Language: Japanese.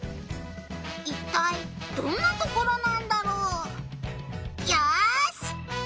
いったいどんなところなんだろう？よし！